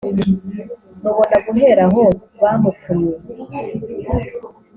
mubona guhera aho bamutumye